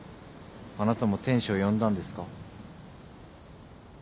あなたも天使を呼んだんですか？